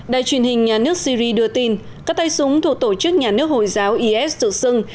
đài truyền hình nhà nước syri đưa tin các tay súng thuộc tổ chức nhà nước hồi giáo is tự xưng